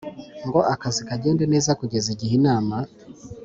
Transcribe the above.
ngo akazi kagende neza kuzageza igihe Inama